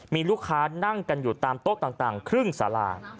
มีลูกค้านั่งกันอยู่ตามโต๊ะต่างครึ่งสารา